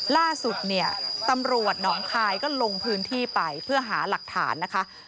ล่าสุดเนี่ยตำรวจหนองคายก็ลงพื้นที่ไปเพื่อหาหลักฐานนะคะ